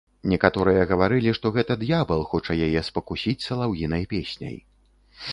Некаторыя гаварылі, што гэта д'ябал хоча яе спакусіць салаўінай песняй.